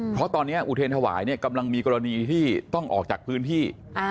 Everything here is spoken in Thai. เพราะตอนนี้อุเทรนธวายเนี่ยกำลังมีกรณีที่ต้องออกจากพื้นที่